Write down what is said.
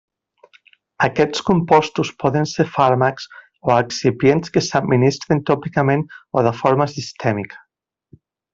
Aquests compostos poden ser fàrmacs o excipients que s'administren tòpicament o de forma sistèmica.